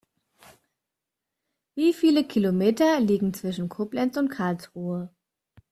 Wie viele Kilometer liegen zwischen Koblenz und Karlsruhe?